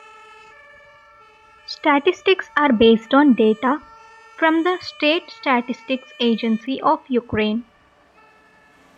Statistics are based on data from the State Statistics Agency of Ukraine.